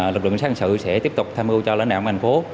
lực lượng xã hội sẽ tiếp tục tham ưu cho lãnh đạo ngành phố